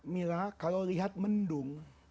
mila kalau lihat mendung